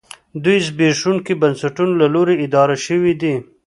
دوی د زبېښونکو بنسټونو له لوري اداره شوې دي